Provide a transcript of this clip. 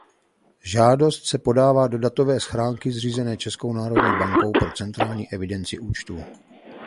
Žádost se podává do datové schránky zřízené Českou národní bankou pro centrální evidenci účtů.